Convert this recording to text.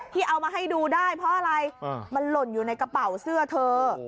ที่เอามาให้ดูได้เพราะอะไรมันหล่นอยู่ในกระเป๋าเสื้อเธอ